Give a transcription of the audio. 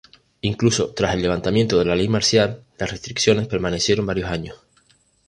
Incluso tras el levantamiento de la ley marcial, las restricciones permanecieron varios años.